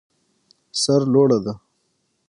سر لوړه ده.